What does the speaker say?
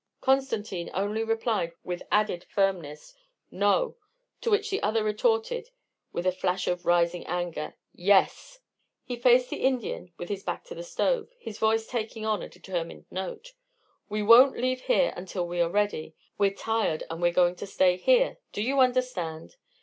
Constantine only replied with added firmness, "No," to which the other retorted with a flash of rising anger, "Yes!" He faced the Indian with his back to the stove, his voice taking on a determined note. "We won't leave here until we are ready. We're tired, and we're going to stay here do you understand?